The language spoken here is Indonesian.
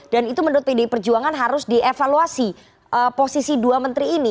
dan itu menurut pdi perjuangan harus dievaluasi posisi dua menteri ini